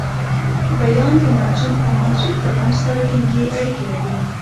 بیان د منظوم او منثور کلام سره ټینګي اړیکي لري.